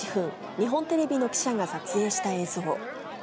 日本テレビの記者が撮影した映像。